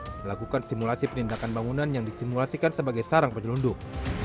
mereka akan melakukan simulasi pendadakan bangunan yang disimulasikan sebagai sarang penjelunduk